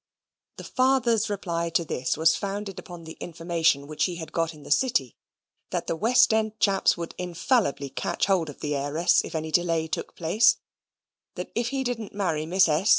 The father's reply to this was founded upon the information which he had got in the City: that the West End chaps would infallibly catch hold of the heiress if any delay took place: that if he didn't marry Miss S.